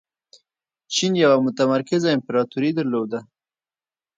چین یوه متمرکزه امپراتوري درلوده.